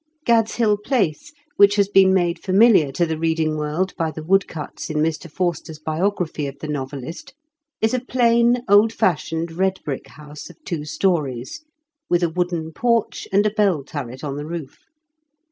Gad's Hill Place, whicli has been made familiar to the reading world by the woodcuts in Mr. Forster's biography of the novelist, is a plain, old fashioned, red brick house of two stories, with a wooden porch and a bell turret on the roof.